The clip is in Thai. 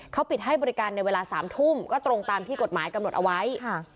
เขาปิดให้บริการในเวลา๓ทุ่มก็ตรงตามที่กฎหมายกำหนดเอาไว้